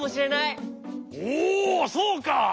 おそうか！